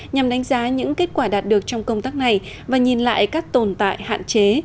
nhằm đánh giá những kết quả đạt được trong công tác này và nhìn lại các tồn tại hạn chế